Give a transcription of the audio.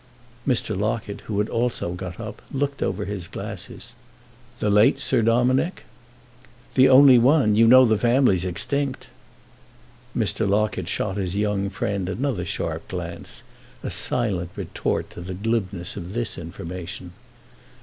Mr. Locket, who had also got up, looked over his glasses. "The late Sir Dominick?" "The only one; you know the family's extinct." Mr. Locket shot his young friend another sharp glance, a silent retort to the glibness of this information.